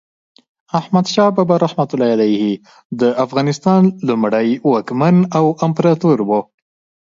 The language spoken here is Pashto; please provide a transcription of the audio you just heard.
احمد شاه بابا رحمة الله علیه د افغانستان لومړی واکمن او امپراتور و.